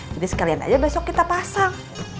jadi sekalian aja besok kita pasang